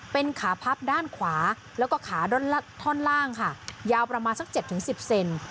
เป็นขาพับด้านขวาแล้วก็ขาท่อนล่างค่ะยาวประมาณสัก๗๑๐เซน